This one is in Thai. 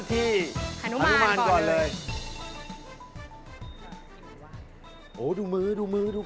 โหดูมือดูมือดู